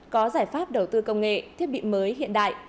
có giải pháp đầu tư công nghệ thiết bị mới hiện đại